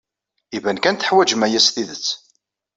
Iban kan teḥwajemt aya s tidet.